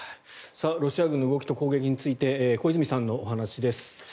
ロシア軍の動きと攻撃について小泉さんのお話です。